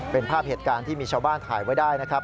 เป็นภาพเหตุการณ์ที่มีชาวบ้านถ่ายไว้ได้นะครับ